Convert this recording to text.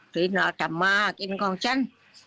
ทีนี้ก็มากินของฉัน